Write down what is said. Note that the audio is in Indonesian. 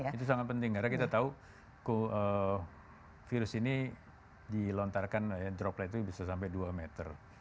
itu sangat penting karena kita tahu virus ini dilontarkan droplet itu bisa sampai dua meter